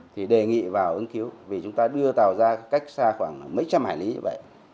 thì đề nghị vào ứng cứu vì chúng ta đưa tàu ra cách xa khoảng mấy trăm hải lý như vậy